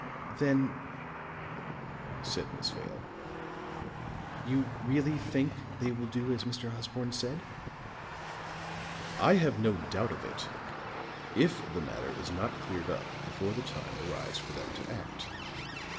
"Then," said Miss Vale, "you really think they will do as Mr. Osborne said?" "I have no doubt of it if the matter is not cleared up before the time arrives for them to act."